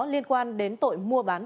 liên quan đến tội mua bán